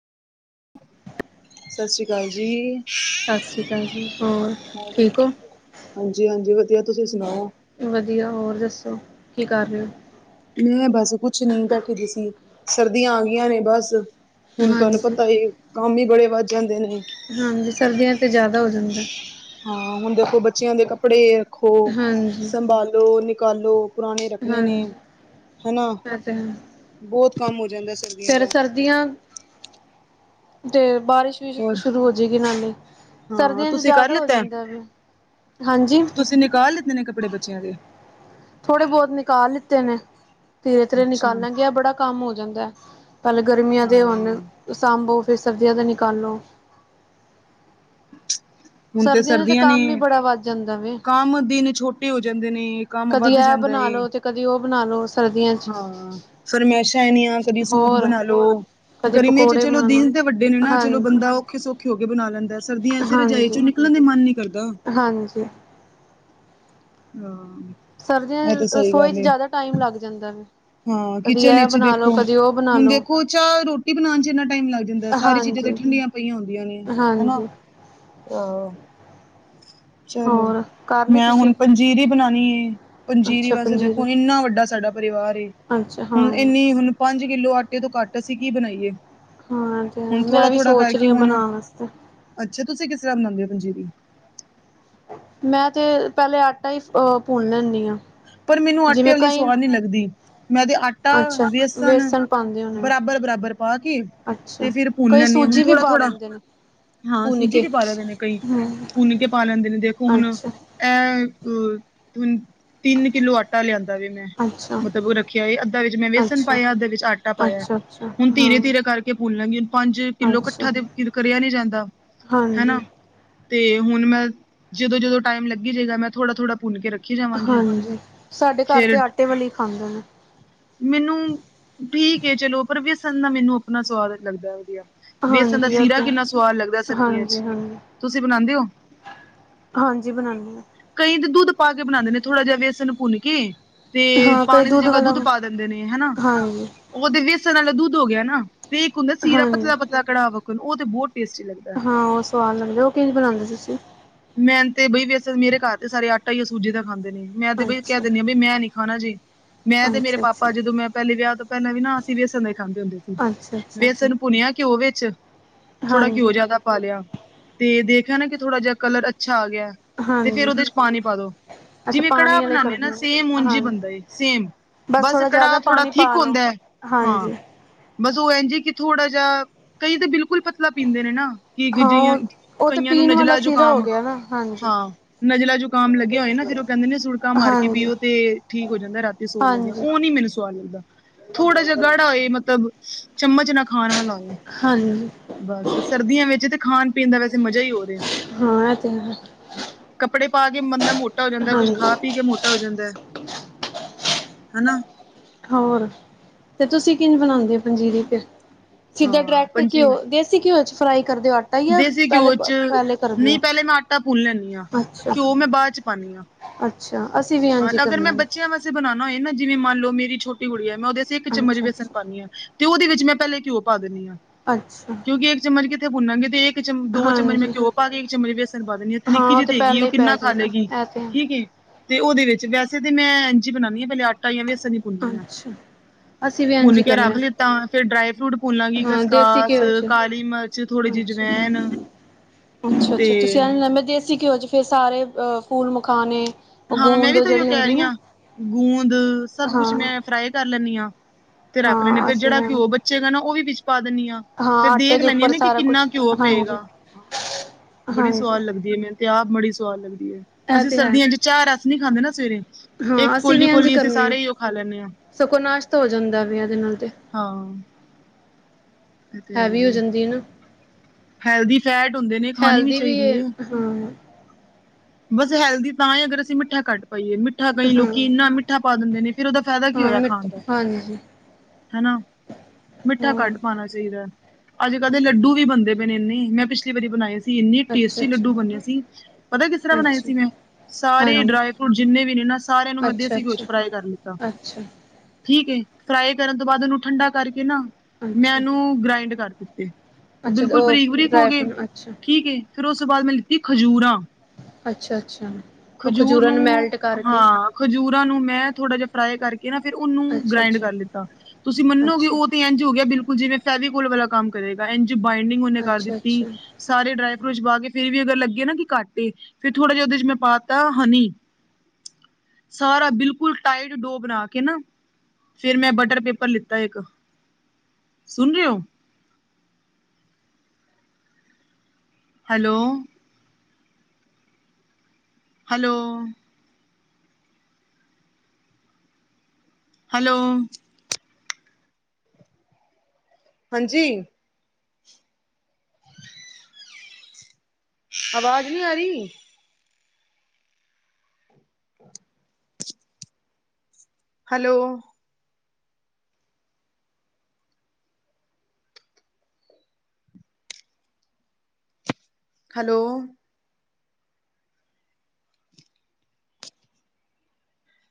[inaudible] ਸਸੀਂ ਕਾਲ ਜੀ ਸਤਿ ਸ਼੍ਰੀ ਅਕਾਲ ਜੀ ਹੋਰ ਹੋਰ? ਠੀਕ ਹੋ ਹਾਂਜੀ-ਹਾਂਜੀ। ਵਧੀਆ ਤੁਸੀਂ ਸੁਣਾਓ? ਵਧੀਆ ਹੋਰ ਦੱਸੋ, ਕੀ ਕਰ ਰਹੇ ਓ? ਮੈਂ ਬਸ ਕੁਛ ਨੀ ਬੈਠੀ ਦੀ ਸੀ, ਸਰਦੀਆਂ ਆ ਗਈਆਂ ਨੇ ਬਸ। ਹੋ ਹੁਨ ਤੁਹਾਨੂੰ ਹਾਂਜੀ ਪਤਾ ਏ, ਕੰਮ ਈ ਬੜੇ ਵੱਧ ਜਾਂਦੇ ਨੇ। ਹਾਂਜੀ, ਸਰਦੀਆਂ ਤੇ ਜਾਦਾ ਹੋ ਜਾਂਦਾ। ਹਾਂ, ਹੁਣ ਦੇਖੋ ਬੱਚਿਆਂ ਦੇ ਕੱਪੜੇ ਰੱਖੋ, ਹਾਂਜੀ ਸੰਭਾਲੋ, ਨਿਕਾਲੋ। ਪੁਰਾਣੇ ਰੱਖਣੇ ਨੇ ਹਾਂਜੀ ਹੈਨਾ? ਇਹ ਬੋਤ ਕੰਮ ਹੋ ਜਾਂਦਾ ਐ ਸਰ ਫੇਿਰ ਸਰਦੀਆਂ ਤੇ ਬਾਰਿਸ਼। ਹੋਰ ਸ਼ੁਰੂ ਹੋ ਜਾਏਗੀ ਨਾਲੇ ਹਾਂ ਸਰਦੀਆਂ ਚ ਤੁਸੀਂ ਕਰ ਜ਼ਿਆਦਾ ਹੋ ਜਾਂਦਾ ਵੀ ਹਾਂਜੀ। ਤੁਸੀ ਨਿਕਕਾਲਤਾ। [unintelligible] ਕਿੰਨੇ ਕੱਪੜੇ ਬੱਚਿਆਂ ਦੇ। ਥੋੜੇ ਬਹੁਤ ਨਿਕਾਲ ਲਿੱਤੇ ਨੇ ਤੇਰੇ ਤੇਰੇ ਅੱਛਾ ਨਿਕਾਲਾਂ ਗਿਆ ਬੜਾ ਕੰਮ ਹੋ ਜਾਂਦਾ ਹੈ। ਪਹਿਲਾਂ ਗਰਮੀਆਂ ਦੇ ਹਾਂ, ਹੋਣ ਸਾਂਭੋ ਫਿਰ ਸਰਦੀਆਂ ਦਾ ਨਿਕਾਲੋ। ਹੁਣ ਤੇ ਦਾ ਤਾਂ ਸਰਦੀਆਂ ਕੰਮ ਹੀ ਨੇ ਬੜਾ ਵੱਧ ਜਾਂਦਾ ਵੇ ਕੰਮ ਦਿਨ ਛੋਟੇ ਹੋ ਜਾਂਦੇ ਨੇ। ਕੰਮ ਕਦੀ ਵੱਧ ਇਹ ਜਾਂਦਾ, ਬਣਾ ਲੋ ਤੇ ਕਦੀ ਉਹ ਬਣਾ ਲੋ ਸਰਦੀਆਂ ਚ ਹਾਂ ਸਰਰਮੈਸ਼ਾ ਇਨੀਆਂ ਕਦੇ ਸੂਪ ਹੋਰ ਬਣਾ ਲੋ। ਕਦੇ ਗਰਮੀਆਂ ਚ ਪਕੌੜੇ ਚਲੋ ਬਣਾ ਲੋ ਦਿਨ ਤੇ ਵੱਡੇ ਨੇ ਨਾ ਚਲੋ ਹਾਂਜੀ ਬੰਦਾ ਔਖੇ ਸੌਖੇ ਹੋ ਕੇ ਬਣਾ ਲੈਂਦਾ ਸਭ। ਸਰਦੀਆਂ ਚ ਰਜਾਈ ਹਾਂਜੀ ਚੋਂ ਨਿਕਲਣ ਦਾ ਮਨ ਨੀ ਕਰਦਾ। ਹਾਂਜੀ। ਹਾਂ। ਸਰਦੀਆਂ ਇਹ ਤੇ ਸਹੀ ਰਸੋਈ ਗੱਲ ਚ ਏ ਜ਼ਿਆਦਾ ਟਾਈਮ ਲੱਗ ਜਾਂਦਾ ਵ। ਹਾਂ ਕਿਚਨ ਵਿੱਚ ਦੇਖੋ ਬਣਾ ਹੁਣ ਲੋ ਦੇਖੋ ਚਾਹ ਰੋਟੀ ਬਣਾਉਣ ਚ ਇੰਨਾ ਟਾਈਮ ਲੱਗ ਜਾਂਦਾ ਸਾਰੀ ਚੀਜ਼ਾਂ ਤੇ ਹਾਂਜੀ ਠੰਡੀਆਂ ਪਈਆਂ ਹੁੰਦੀਆਂ ਨੇ। ਹਾਂਜੀ। ਆਹ। ਚਲੋ, ਹੋਰ ਕਰ ਲਈ ਮੈਂ ਤੁਸੀਂ ਹੁਣ ਪੰਜੀਰੀ ਬਣਾਉਣੀ ਏ ਪੰਜੀਰੀ ਅੱਛਾ ਵਾਸੇ ਪੰਜੀਰੀ ਦੇਖੋ ਇੰਨਾ ਵੱਡਾ ਸਾਡਾ ਪਰਿਵਾਰ ਏ, ਅੱਛਾ ਹਾਂ ਹੁਣ ਇੰਨੀ ਹੁਣ। ਪੰਜ ਕਿੱਲੋ ਆਟੇ ਤੋਂ ਕੱਟ ਅਸੀਂ ਕੀ ਬਣਾਈਏ। ਹਾਂ ਤੇ ਹੁਣ ਥੋੜਾ ਮੈਂ ਵੀ ਥੋੜਾ ਸੋਚ ਰਹੀ ਕਰਕੇ ਹਾਂ ਹੁਣ ਬਣਾਉਣ ਵਾਸਤੇ। ਅੱਛਾ ਤੁਸੀਂ ਕਿਸ ਤਰ੍ਹਾਂ ਮਨਾਉਂਦੇ ਹੋ ਪੰਜਜੀਰੀ। ਮੈਂ ਤੇ ਪਹਿਲੇ ਆਟਾ ਹੀ ਅਹ ਭੁੰਨ ਲੈਂਦੀ ਹਾਂ। ਪਰ ਮੈਨੂੰ ਆਟੇ ਜਿਵੇਂ ਕਈ ਵਾਲੀਸਵਾਦ ਨਹੀਂ ਲੱਗਦੀ ਮੈਂ ਉਹਦੇ ਆਟਾ ਅੱਛਾ ਬੇਸਣ। ਵੇਸਣ ਪਾਉਂਦੇ ਹੋਣੇ ਬਰਾਬਰ ਬਰਾਬਰ ਪਾ ਕੇ ਤੇ, ਅੱਛਾ, ਫਿਰ ਭੁੰਨ ਕਈ ਲੈਂਨੀ ਆਾਂ ਹੁਣ ਸੂਜੀ ਵੀ ਥੋੜਾ ਪਾ ਥੋੜਾ। ਲੈਂਦੇ ਨੇ ਹਾਂ ਭੁੰਨ ਸੂਜੀ ਕੇ। ਵੀ ਪਾ ਲੈਂਦੇ ਨੇ ਕਈ ਹੂੰ। ਭੁੰਨ ਕੇ ਪਾ ਲੈਂਦੇ ਨੇ ਦੇਖੋ ਹੁਣ। ਅੱਛਾ, ਅ ਹ ਤੇ ਤਿੰਨ ਕਿਲੋ ਆਟਾ। ਾ ਲਿਆਂਦਾ ਵੀ ਮੈਂ ਅੱਛਾ, ਮਤਲਬ ਉਹ ਰੱਖਿਆ ਅੱਧਾ ਵਿੱਚ ਮੈਂ ਵੇਸਨ ਅੱਛਾ, ਪਾਇਆ ਅੱਧਾ ਵਿੱਚ ਆਟਾ ਪਾਇਆ। ਅੱਛਾ, ਅੱਛਾ ਹੁਣ ਧੀਰੇ ਹਾਂ। ਧੀਰੇ ਕਰਕੇ ਭੁੱਲਾਂਗੀ ਪੰਜ ਕਿੱਲੋ ਅੱਛਾ, ਇਕੱਠਾ ਤੇ ਕਰਿਆ ਨੀ ਜਾਂਦਾ ਹਾਂਜੀ, ਹਨਾ ਤੇ ਹੁਣ ਮੈਂ ਜਦੋਂ ਜਦੋਂ ਟਾਈਮ ਲੱਗੀ ਜਾਏਗਾ ਮੈਂ ਥੋੜਾ ਥੋੜਾ ਭੁੰਨ ਕੇ ਰੱਖੀ ਜਾ। ਹਾਂਜੀ ਸਾਡੇ ਘਰ ਤੇ ਆਟੇ ਵਾਲੀ ਖਾਂਦੇ ਨੇ। ਮੈਨੂੰ ਠੀਕ ਹੈ ਚਲੋ ਪਰ ਵਿਅਸਣ ਨਾ ਮੈਨੂੰ ਆਪਣਾ ਸਵਾਦ ਲੱਗਦਾ ਹੈਗਾ। ਵੇਸਣ ਦਾ ਹਾਂਜੀ ਉਹ ਸੀਰਾ ਤਾਂ ਕਿੰਨਾ ਸੇਵਾਦ। ਸਵਾਦ ਲੱਗਦਾ ਸਰਦੀਆਂ ਹਾਂਜੀ, ਚ ਹਾਂਜੀ, ਤੁਸੀਂ ਬਣਾਉਂਦੇ ਹੋ। ਹਾਂਜੀ ਬਣਾਨੇ ਆ। ਕਈ ਦੁੱਧ ਪਾ ਕੇ ਬਣਾਉਂਦੇ ਨੇ ਥੋੜਾ ਜਿਹਾ ਵੇਸਨ ਭੁੰਨ ਕੇ। ਤੇ ਹਾਂ ਕਈ ਪਾਣੀ ਦੀ ਜਗ੍ਹਾ, ਵਾਲਾ ਦੁੱਧ ਪਾ ਦੇਂਦੇ ਨੇ, ਹਨਾ। ਹਾਂਜੀ, ਉਹ ਦੇ ਵੇਸਨ ਆਲਾ ਦੁੱਧ ਹੋ ਗਿਆ ਨਾ, ਤੇ ਇੱਕ ਹੁੰਦਾ ਸੀਰਾ, ਹਾਂਜੀ। ਪਤਲਾ-ਪਤਲਾ ਕੜਾਹ ਵਾਕਣ, ਉਹ ਤੇ ਬੋਤ ਟੇਸਟੀ ਲੱਗਦਾ। ਹਾਂ ਉਹ ਸਵਾਦ ਲੱਗਦਾ, ਉਹ ਕਿੰਜ ਬਣਾਦੇ ਤੁਸੀਂ? ਮੈਂਨ ਤੇ ਬਈ ਵੀਸੇ, ਮੇਰੇ ਕਾਰ ਤੇ ਸਾਰੇ ਆਟਾ ਈ ਉਹ ਸੂਜੀ ਦਾ ਖਾਂਦੇ ਨੇ। ਮੈਂ ਤੇ ਬਈ ਕਹਿ ਅੱਛਾ, ਦੇਣੀ ਆ, ਬਈ ਮੈਂ ਨੀ ਖਾਣਾ ਜੇ ਮੈਂ ਤੇ ਮੇਰੇ ਅੱਛਾ, ਅੱਛਾ, ਪਾਪਾ, ਜਦੋਂ ਮੈਂ ਪੈਲੇ ਵੇਆਹ ਤੋਂ ਪੈਲੇ ਵੀ ਨਾ, ਅਸੀਂ ਵੇਸਨ ਦਾ ਈ ਖਾਂਦੇ ਹੁੰਦੇ ਸੀ। ਅੱਛਾ, ਅੱਛਾ। ਵੇਸਨ ਪੁਨਿਆ ਕਿਓ ਵਿੱਚ, ਥੋੜਾ ਕਿਓ ਹਾਂਜੀ, ਜਆਦਾ ਪਾ ਲੇਆ। ਤੇ ਦੇਖਿਆ ਨਾ ਕਿ ਥੋੜਾ ਜਆ ਕਲਰ ਅੱਛਾ ਆ ਗਿਆ। ਤੇ ਫੇਰ ਹਾਂਜੀ। ਔਦੇ ਚ ਪਾਣੀ ਪਾ ਦੋ। ਅੱਛਾ ਜਿਵੇਂ ਪਾਣੀ ਕੜਾਅ ਵਾਲੇ ਬਣਾਨੇ ਆ ਨਾ, ਕਰਦੇ ਹੋ ਸੇਮ ਉਂਜ ਈ ਹਾਂਜੀ ਬੰਦਾ ਏ, ਸੇਮ। ਬਸ ਥੋੜ੍ਹਾ ਕੜਾਅ ਜ਼ਿਆਦਾ ਥੋੜਾ ਪਾਣੀ ਥੀਕ ਪਾ ਲਓ ਹੁੰਦਾ ਐ, ਹਾਂ। ਹਾਂਜੀ ਬਸ ਉਹ ਏੰਜ ਏ ਕਿ ਥੋੜਾ ਜਾ, ਕਈ ਤੇ ਬਿਲਕੁਲ ਪਤਲਾ ਪੀਂਦੇ ਨੇ ਨਾ। ਕਿ ਹਾਂ ਜਿ ਔਹ, ਔਹ ਤੇ ਕਈਆਂ ਨੂੰ ਪੀਣ ਵਾਲਾ ਨਜਲਾ ਸੀਰਾ ਹੋ ਜ਼ੁਕਾਮ ਗਿਆ ਨਾ, ਹਾਂਜੀ। ਹਾਂ ਨਜਲਾ ਜੁਕਾਮ ਲੱਗੇਆ ਹੋਏ ਨਾ, ਫੇਰ ਉਹ ਕੇਂਦੇ ਨੇ ਸੁੜਕਾ ਮਾਰ ਕੇ ਹਾਂਜੀ ਪੀਓ, ਤੇ ਠੀਕ ਹੋ ਜਾਂਦਾ ਰਾ ਰਾਤੀ ਸੋਣ ਲੱਗਿਆ, ਹਾਂਜੀ ਔਹ ਨੀ ਮੈਨੂੰ ਸਵਾਦ ਲੱਗਦਾ। ਥੋੜਾ ਜੇਆ ਗਾੜਾ ਹੋਏ ਮਤਲਬ ਚਮਚ ਨਾ ਖਾਣ ਵਾਲਾ ਹੋਏ। ਹਾਂਜੀ ਬਸ, ਸਰਦੀਆਂ ਵਿੱਚ ਤੇ ਖਾਣ ਪੀਣ ਦਾ ਵੈਸੇ ਮਜਾ ਈ ਹੋਰ ਏ। ਹਾਂ ਏਹ ਤੇ ਹੈ। ਕੱਪੜੇ ਪਾ ਕੇ ਬੰਦਾ ਮੋਟਾ ਹੋ ਜਾਂਦਾ, ਕੁੱਛ ਹਾਂਜੀ ਖਾ ਪੀ ਕੇ ਮੋ ਟਾ ਹੋ ਜਾਂਦਾ ਏ, ਹਨਾ। ਹੋਰ, ਤੇ ਤੁਸੀਂ ਕਿੰਜ ਬਣਾਂਦੇ ਔ ਪੰਜੀਰੀ ਫਿਰ, ਸਿੱਧਾ ਹਾਂ ਡਰੈਕਟ ਪੰਜੀ ਕਿਓ, ਦੇ ਦੇਸੀ ਕਿਓ ਚ ਫਰਾਈ ਕਰਦੇ ਔ ਆ ਟਾ ਯਾ ਦੇਸੀ ਪੈਲੇ ਘਿਓ ਬ ਚ ਪੈਲੇ ਕਰਦੇ ਔ? ਨਹੀਂ ਪਹਿਲੇ ਮੈਂ ਆਟਾ ਭੁੰਨ ਲੈਂਦੀ ਹਾਂ ਅੱਛਾ। ਘਿਓ ਮੈਂ ਬਾਅਦ ਚ ਪਾਉਂਦੀ ਹਾਂ ਅੱਛਾ, ਅਸੀਂ ਵੀ ਏੰਜ ਈ ਕਰਨੇ ਤੁਸੀਂ ਬਣਾਣਾ ਹੋਏ ਨਾ, ਜਿਵੇਂ ਮੰਨ ਲੋ, ਮੇਰੀ ਛੋਟੀ ਗੁੜੀਆ ਐ, ਮੈਂ ਔਦੇ ਆਸੇ ਏਕ ਚਮਚ ਅੱਛਾ ਵੇਸਨ ਅੱਛਾ ਪਾਣੀ ਆ ਤੇ ਔਦੇ ਵਿੱਚ ਮੈਂ ਪੈਲੇ ਕਿਉ ਪਾ ਦੇਣੀ ਆ। ਅੱਛਾ। ਕਿਉਂਕੀਂ ਏਕ ਚਮਚ ਕਿੱਥੇ ਭੁੰਨਾਂਗੇ ਤੇ ਇੱਕ ਚਮ, ਦੋ ਚਮਚ ਮੈਂ ਹਾਂਜੀ ਕਿਓ ਪਾ ਕੇ, ਇੱਕ ਚਮਚ ਵੇਸਣ ਪਾ ਦੇਣੀ ਆ, ਹਾਂ ਨਿੱਕੀ ਉਹ ਜੀ ਤੇ ਹੈਗੀ ਪਹਿਲਾਂ ਔਹ, ਹੀ ਪੈ ਕਿੰਨਾ ਖਾ ਜਾਏਗਾ ਲੇਗੀ? ਇਹ ਤੇ ਹੈ ਠੀਕ ਐ। ਤੇ ਔਦੇ ਵਿੱਚ, ਵੈਸੇ ਤੇ ਮੈਂ ਏਂਜ ਈ ਬਣਾਨੀ ਆ, ਪੈਲੇ ਆਟਾ ਯਾ ਵੇਸਨ ਈ ਅੱਛਾ। ਅਸੀਂ ਵੀ ਇੰਝ ਭੁੰਨ ਹੀ ਕੇ ਕਰਨਾ ਰੱਖ ਲਿੱਤਾ, ਫੇਰ ਡਰਾਈ ਫਰੂਟ, ਭੁੰਨਲਾਂਗੀ ਹਾਂ ਦੇਸੀ ਖਸਕਾਸ, ਘਿਓ ਚ ਕਾਲੀ ਮਿਰਚ ਥੋੜੀ ਜਿਹੀ ਜਵੈਨ ਅੱਛਾ ਤੇ ਅੱਛਾ-ਅੱਛਾ ਤੁਸੀਂ ਮੈਂ ਦੇਸੀ ਘਿਓ ਫਿਰ ਸਾਰੇ ਫੂਲ, ਮਕਾਉਣੇ ਹਾਂ ਮੈਂ ਵੀ ਤਾ ਏਹੀ ਓ ਕਹਿ ਰਹੀ ਹਾਂ ਗੂੰਦ ਸਭ ਕੁਛ ਹਾਂ ਮੈਂ ਫਰਾਈ ਕਰ ਲੈਣੀ ਹਾਂ ਤੇ ਰੱਖ ਲੈਣੀ ਆ ਹਾਂ ਫੇਰ ਅਸੀਂ ਜਿਹੜਾ ਵੀ ਘਿਓ ਬਚੇਗਾ ਨਾ ਉਹ ਵੀ ਵਿੱਚ ਪਾ ਦਿੰਦੀ ਹਾਂ ਫੇਰ ਆਟੇ ਦੇਖ ਦੇ ਲੈਂਣੀ ਹਾਂ ਉੱਪਰ ਨਾ ਕਿ ਸਾਰਾ ਕਿੰਨਾ ਕੁਛ ਘਿਓ ਹਾਂਜੀ ਪਏਗਾ ਬੜੀ ਹਾਂਜੀ ਸਵਾਦ ਲੱਗਦੀ ਹੈ ਮੈਨੂੰ ਤੇ ਆਪ ਬੜੀ ਸਵਾਦ ਲਗਦੀ ਹੈ। ਇਹ ਅਸੀਂ ਤੇ ਹੈ ਸਰਦੀਆਂ ਚ ਚਾਹ ਰਸ ਨੀ ਖਾਂਦੇ ਨਾ ਸਵੇਰੇ ਇਕ ਹਾਂ ਅਸੀਂ ਵੀ ਇੰਝ ਕੋਲੀ-ਕੋਲੀ ਅਸੀਂ ਕਰਨੇ ਹਾਂ ਸਾਰੇ ਹੀ ਉਹ ਖਾ ਲੈਣੇ ਹਾਂ ਸਗੋਂ ਨਾਸ਼ਤਾ ਹੋ ਜਾਂਦਾ ਵੇ ਇਹਦੇ ਨਾਲ ਤੇ ਹਾਂ ਇਹ ਤੇ ਹੈ ਹੈਵੀ ਹੋ ਹੀ ਹੈ ਜਾਂਦੀ ਏ ਨਾ ਹੈਲਦੀ ਫੈਟ ਹੁੰਦੇ ਨੇ ਖਾਣੀ ਵੀ ਹੈਲਦੀ ਚਾਹੀਦੀ ਹੈ ਏ ਹਾਂ ਬਸ ਹੈਲਦੀ ਤਾਂ ਹੀ ਅਗਰ ਅਸੀਂ ਮਿੱਠਾ ਕੱਢ ਪਾਈਏ। ਮਿੱਠਾ ਕਈ ਲੋਕੀ ਇੰਨਾ ਮਿੱਠਾ ਪਾ ਦਿੰਦੇ ਨੇ ਫਿਰ ਉਹਦਾ ਫਾਇਦਾ ਕੀ ਹਾਂ ਹਾਂ ਹੋਇਆ ਮਿੱਠ ਖਾਣ ਦਾ ਹਾਂਜੀ ਹਨਾ। ਮਿੱਠਾ ਹਾਂ ਕੱਟ ਪਾਉਣਾ ਚਾਹੀਦਾ ਅੱਜ ਕੱਲ ਦੇ ਲੱਡੂ ਵੀ ਬਣਦੇ ਪਏ ਨੇ ਇੰਨੇ ਮੈਂ ਪਿਛਲੀ ਵਾਰੀ ਬਣਾਏ ਸੀ। ਇੰਨੀ ਅੱਛਾ ਟੇਸਟੀ ਅੱਛਾ ਲੱਡੂ ਬੰਨਿਆ ਸੀ ਪਤਾ ਕਿਸ ਤਰ੍ਹਾਂ ਬਣਾਏ ਅੱਛਾ ਸੀ ਮੈਂ। ਸਾਰੇ ਹਾਂਜੀ ਡਰਾਈ ਫਰੂਟ ਜਿੰਨੇ ਵੀ ਨੇ ਨਾ ਸਾਰਿਆਂ ਨੂੰ ਮੈਂ ਅੱਛਾ ਦੇਸੀ ਘਿਉ ਚ ਅੱਛਾ ਫਰਾਈ ਕਰ ਦਿਤਾ ਅੱਛਾ ਠੀਕ ਫਰਾਈ ਕਰਨ ਤੋਂ ਬਾਅਦ ਉਹਨੂੰ ਠੰਡਾ ਕਰਕੇ ਨਾ। ਮੈਂ ਅੱਛਾ ਇਹਨੂੰ ਗ੍ਰਾਇੰਡ ਕਰ ਦਿੱਤੇ ਉਹ ਅੱਛਾ ਤੇ ਬਿਲਕੁਲ ਬਰੀਕ ਬਰੀਕ ਹੋ ਡਰਾਈ ਗਏ ਫਰੂਟ ਅੱਛਾ ਠੀਕ ਏ। ਫੇਿਰ ਉਸ ਤੋਂ ਬਾਅਦ ਮੈਂ ਲਿੱਤੀ ਖਜੂਰਾਂ। ਅੱਛਾ ਅੱਛਾ। ਉਹ ਖਜੂਰ ਖਜੂਰਾਂ ਨੂੰ। ਮੈਲਟ ਕਰਕੇ ਹਾਂ ਖਜੂਰਾਂ ਨੂੰ ਮੈਂ ਥੋੜ੍ਹਾ ਜਿਹਾ ਫਰਾਈ ਕਰਕੇ ਨਾ ਫਿਰ ਉਹਨੂੰ ਅੱਛਾ ਗ੍ਰਾਇੰਡ ਅੱਛਾ ਕਰ ਲਿਤਾ। ਤੁਸੀਂ ਮੰਨੋਗੇ ਅੱਛਾ ਉਹ ਤੇ ਇੰਝ ਹੋ ਗਿਆ ਬਿਲਕੁਲ ਜਿਵੇਂ ਫੈਵੀ ਕੋਲ ਵਾਲਾ ਕੰਮ ਕਰੇਗਾ ਇੰਜ ਬਾਈਡਿੰਗ ਉਹਨੇ ਕਰ ਅੱਛਾ ਦਿੱਤੀ। ਅੱਛਾ ਸਾਰੇ ਡਰਾਈ ਫਰੂਟਸ ਪਾ ਕੇ ਫਿਰ ਵੀ ਅਗਰ ਲੱਗੇ ਨਾ ਕਿ ਘੱਟ ਐ ਫਿਰ ਥੋੜਾ ਜਿਹਾ ਉਹਦੇ 'ਚ ਮੈਂ ਪਾ ਦਿੱਤਾ ਹਨੀ ਸਾਰਾ ਬਿਲਕੁਲ ਟਾਈਟ ਡੋ ਬਣਾ ਕੇ ਨਾ ਫੇਰ ਮੈਂ ਬਟਰ ਪੇਪਰ ਲਿੱਤਾ ਇੱਕ ਸੁਣ ਰਹੇ ਹੋ। ਹੈਲੋ। ਹੈਲੋ। ਹੈਲੋ ਹਾਂਜੀ। ਆਵਾਜ਼ ਨਹੀਂ ਆ ਰਹੀ। ਹੈਲੋ। ਹੈਲੋ।